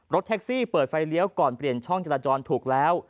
รถแท็กซี่เปิดไฟเลี้ยวก่อนเปลี่ยนช่องจราจรถูกแล้ว